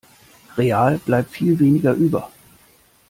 Real bleibt viel weniger über.